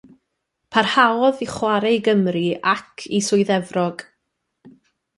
Parhaodd i chwarae i Gymru ac i Swydd Efrog.